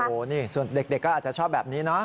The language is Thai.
โอ้โหนี่ส่วนเด็กก็อาจจะชอบแบบนี้เนาะ